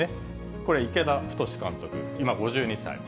これ、池田太監督、今５２歳。